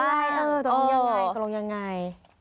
ยังไงตรงยังไงตรงยังไง